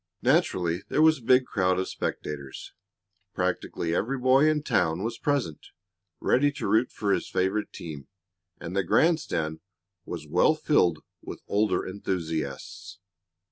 Naturally there was a big crowd of spectators. Practically every boy in town was present, ready to root for his favorite team, and the grand stand was well filled with older enthusiasts.